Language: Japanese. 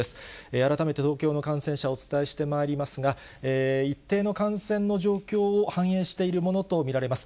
改めて東京の感染者、お伝えしてまいりますが、一定の感染の状況を反映しているものと見られます。